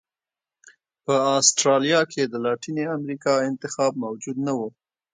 په اسټرالیا کې د لاتینې امریکا انتخاب موجود نه و.